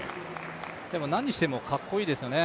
何しても、かっこいいですよね。